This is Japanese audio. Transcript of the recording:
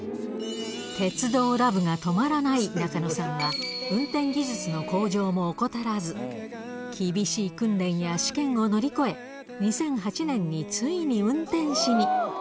鉄道ラブが止まらない中野さんは、運転技術の向上も怠らず、厳しい訓練や試験を乗り越え、２００８年についに運転士に。